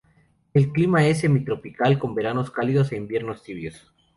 El clima es semi-tropical con veranos cálidos e inviernos tibios.